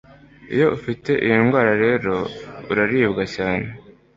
Iyo ufite iyi ndwara rero uraribwa cyane